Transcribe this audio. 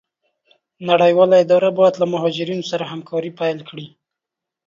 نړيوالي اداري بايد له مهاجرينو سره همکاري پيل کړي.